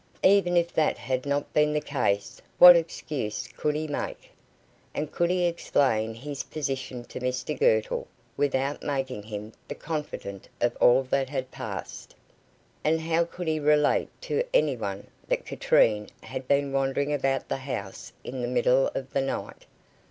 Even if that had not been the case, what excuse could he make? And could he explain his position to Mr Girtle without making him the confidant of all that had passed? And how could he relate to any one that Katrine had been wandering about the house in the middle of the night?